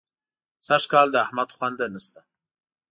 سږکال د احمد خونده نه شته.